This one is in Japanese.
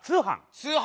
「通販」。